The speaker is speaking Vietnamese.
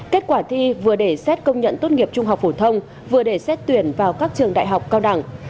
kết quả thi vừa để xét công nhận tốt nghiệp trung học phổ thông vừa để xét tuyển vào các trường đại học cao đẳng